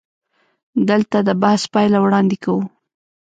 دلته د بحث پایله وړاندې کوو.